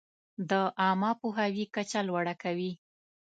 د عامه پوهاوي کچه لوړه کوي.